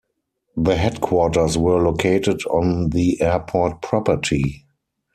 The headquarters were located on the airport property.